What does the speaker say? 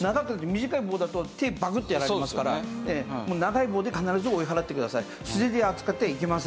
短い棒だと手バクッてやられますから長い棒で必ず追い払ってください。